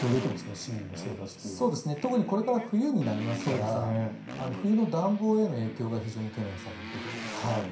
特にこれから冬になりますから冬の暖房への影響が非常に懸念されるところです。